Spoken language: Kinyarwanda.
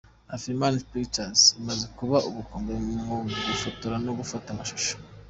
Afrifame Pictures imaze kuba ubukombe mu gufotora no gufata amashusho.